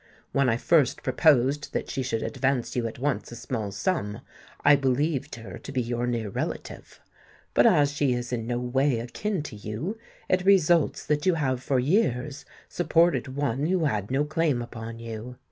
When I first proposed that she should advance you at once a small sum, I believed her to be your near relative. But as she is in no way akin to you, it results that you have for years supported one who had no claim upon you.